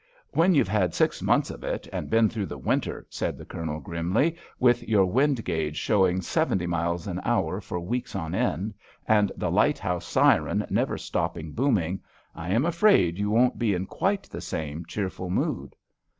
"When you've had six months of it, and been through the winter," said the Colonel grimly, "with your wind gauge showing seventy miles an hour for weeks on end, and the lighthouse siren never stopping booming, I am afraid you won't be in quite the same cheerful mood."